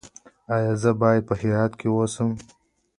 ایا زه باید په هرات کې اوسم؟